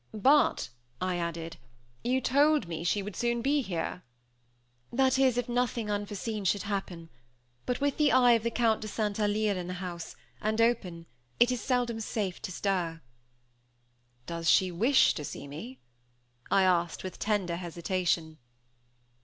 "But," I added, "you told me she would soon be here." "That is, if nothing unforeseen should happen; but with the eye of the Count de St. Alyre in the house, and open, it is seldom safe to stir." "Does she wish to see me?" I asked, with a tender hesitation.